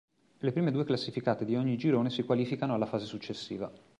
Le prime due classificate di ogni girone si qualificano alla fase successiva.